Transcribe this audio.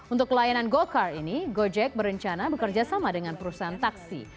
untuk layanan go kart ini gojek berencana bekerja sama dengan perusahaan taksi